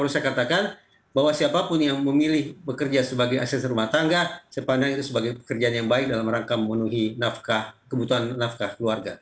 saya katakan bahwa siapapun yang memilih bekerja sebagai asisten rumah tangga saya pandang itu sebagai pekerjaan yang baik dalam rangka memenuhi kebutuhan nafkah keluarga